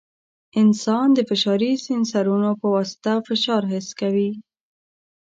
انسان د فشاري سینسرونو په واسطه فشار حس کوي.